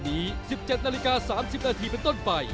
๓๐นาทีเป็นต้นไป